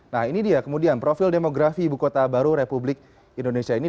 nah ini dia kemudian profil demografi ibu kota baru republik indonesia ini